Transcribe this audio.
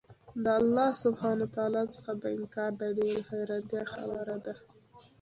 له الله سبحانه وتعالی څخه انكار د ډېري حيرانتيا خبره ده